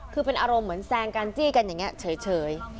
คือเป็นอารมณ์เหมือนแซงกันจี้กันอย่างนี้เฉย